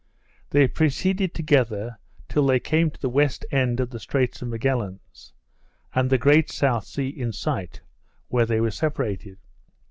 They proceeded together, till they came to the west end of the Straits of Magalhaens, and the Great South Sea in sight, where they were separated.